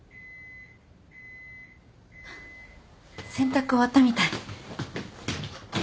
洗濯終わったみたい。